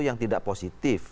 yang tidak positif